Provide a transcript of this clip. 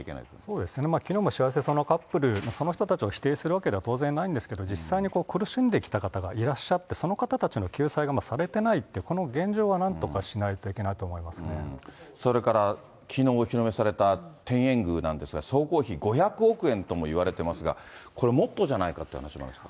そうですね、きのうも幸せなカップル、その人たちを否定するわけでは当然ないんですけれども、実際に苦しんできた方がいらっしゃって、その方たちの救済がされてないって、この現状は何とかしそれからきのうお披露目された天苑宮なんですが、総工費５００億円ともいわれてますが、これもっとじゃないかって話もあるんですか。